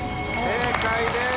正解です。